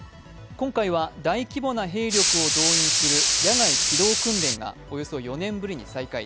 今回は大規模な兵力を動員する野外機動訓練がおよそ４年ぶりに再開。